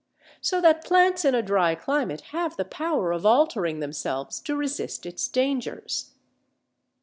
So that plants in a dry climate have the power of altering themselves to resist its dangers.